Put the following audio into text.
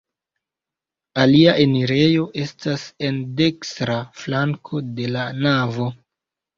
Alia enirejo estas en dekstra flanko de la navo.